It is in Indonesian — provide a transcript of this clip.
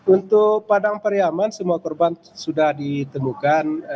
untuk padang pariaman semua korban sudah ditemukan